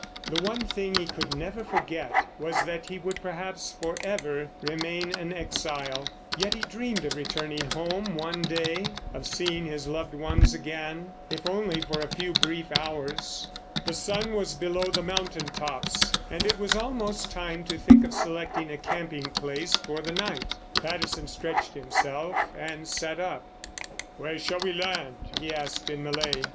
The one thing he could never forget was that he would, perhaps for ever, remain an exile. Yet he dreamed of returning home one day, of seeing his loved ones again—if only for a few brief hours. The sun was below the mountain tops, and it was almost time to think of selecting a camping place for the night. Patterson stretched himself and sat up. "Where shall we land?" he asked in Malay.